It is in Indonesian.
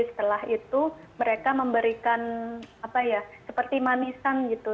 setelah itu mereka memberikan seperti manisan gitu